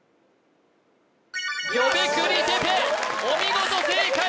お見事正解